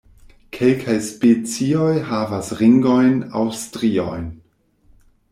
Kelkaj specioj havas ringojn aŭ striojn.